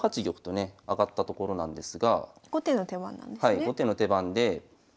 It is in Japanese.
後手の手番で。